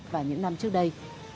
và những năm trước đây